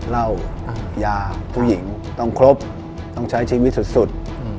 เหล้ายาผู้หญิงต้องครบต้องใช้ชีวิตสุด